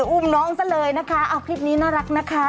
อุ้มน้องซะเลยนะคะเอาคลิปนี้น่ารักนะคะ